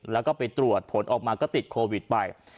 แล้วก็ไปตรวจผลออกมาก็ติดโควิดไป